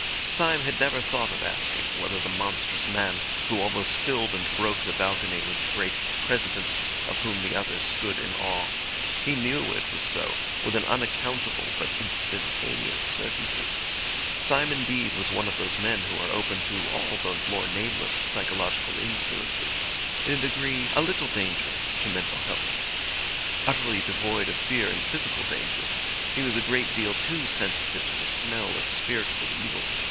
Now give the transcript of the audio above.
Syme had never thought of asking whether the monstrous man who almost filled and broke the balcony was the great President of whom the others stood in awe. He knew it was so, with an unaccountable but instantaneous certainty. Syme, indeed, was one of those men who are open to all the more nameless psychological influences in a degree a little dangerous to mental health. Utterly devoid of fear in physical dangers, he was a great deal too sensitive to the smell of spiritual evil.